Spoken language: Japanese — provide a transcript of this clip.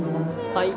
はい。